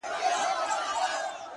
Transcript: له شپږو مياشتو څه درد .درد يمه زه.